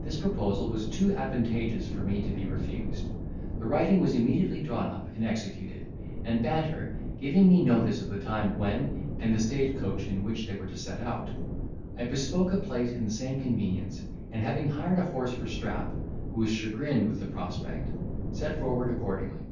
This proposal was too advantageous for me to be refused. The writing was immediately drawn up and executed; and Banter, giving me notice of the time when, and the stage coach in which they were to set out, I bespoke a place in the same convenience; and, having hired a horse for Strap, who was chagrined with the prospect, set forward accordingly.